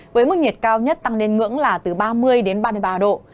với mức nhiệt cao nhất tăng lên ngưỡng là từ ba mươi đến ba mươi ba độ